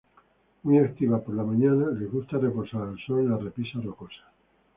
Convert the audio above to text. Muy activas por la mañana, les gusta reposar al sol en las repisas rocosas.